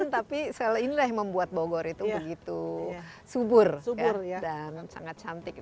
tapi inilah yang membuat bogor itu begitu subur dan sangat cantik